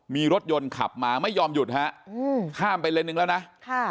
มีรถยนต์ขับมาไม่ยอมหยุดฮะอืมข้ามไปเลนหนึ่งแล้วนะค่ะ